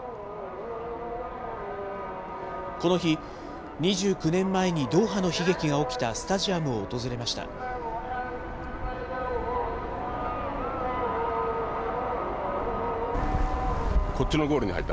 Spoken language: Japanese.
この日、２９年前にドーハの悲劇が起きたスタジアムを訪れました。